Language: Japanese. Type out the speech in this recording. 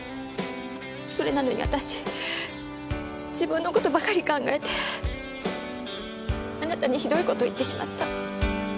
それなのに私自分の事ばかり考えてあなたにひどい事を言ってしまった。